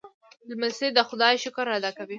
لمسی د خدای شکر ادا کوي.